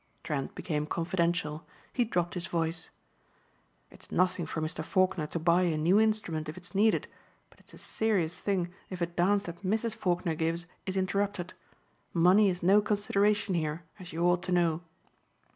Trent became confidential. He dropped his voice. "It's nothing for Mr. Faulkner to buy a new instrument if it's needed, but it's a serious thing if a dance that Mrs. Faulkner gives is interrupted. Money is no consideration here as you ought to know."